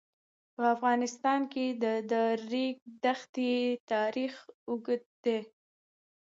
په افغانستان کې د د ریګ دښتې تاریخ اوږد دی.